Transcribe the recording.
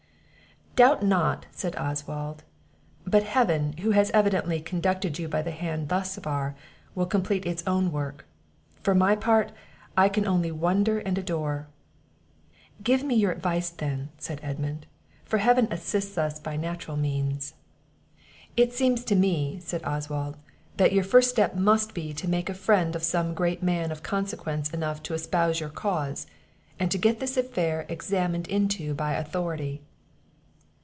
"Doubt not," said Oswald, "but Heaven, who has evidently conducted you by the hand thus far, will complete its own work; for my part, I can only wonder and adore!" "Give me your advice then," said Edmund; "for Heaven assists us by natural means." "It seems to me," said Oswald, "that your first step must be to make a friend of some great man, of consequence enough to espouse your cause, and to get this affair examined into by authority."